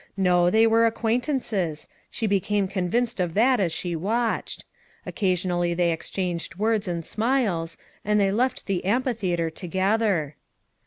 No, they were acquaintances; she became convinced of that as she watched; occasionally they exchanged words and smiles, and they left the amphitheater together.